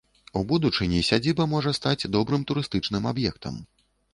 У будучыні сядзіба можа стаць добрым турыстычным аб'ектам.